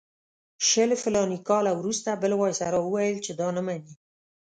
شل فلاني کاله وروسته بل وایسرا وویل چې دا نه مني.